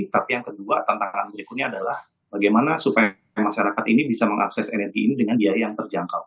tapi yang kedua tantangan berikutnya adalah bagaimana supaya masyarakat ini bisa mengakses energi ini dengan biaya yang terjangkau